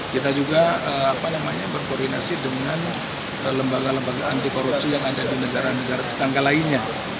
kita juga berkoordinasi dengan lembaga lembaga anti korupsi yang ada di negara negara tetangga lainnya